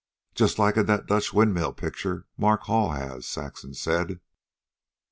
"Just like in that Dutch windmill picture Mark Hall has," Saxon said.